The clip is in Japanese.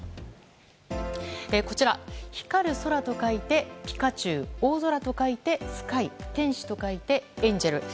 こちら「光宙」と書いて「ぴかちゅう」「大空」と書いて「すかい」「天使」と書いて「えんじぇる」。